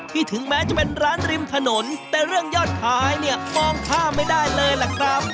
ถึงแม้จะเป็นร้านริมถนนแต่เรื่องยอดขายเนี่ยมองข้ามไม่ได้เลยล่ะครับ